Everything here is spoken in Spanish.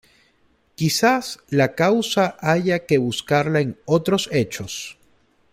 Quizás la causa haya que buscarla en otros hechos.